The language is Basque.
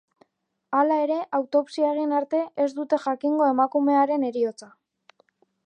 Hala ere, autopsia egin arte, ez dute jakingo emakumearen heriotza.